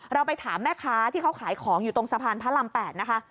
เราไปถามแม่ค้าที่เขาขายของอยู่ตรงสะพานพระราม๘นะคะ